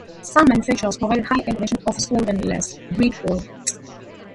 Some manufacturers provide high-end versions of solderless breadboards.